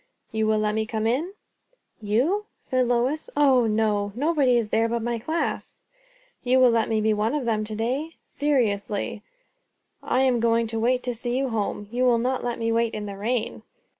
"You will let me come in?" "You?" said Lois. "O no! Nobody is there but my class." "You will let me be one of them to day? Seriously, I am going to wait to see you home; you will not let me wait in the rain?"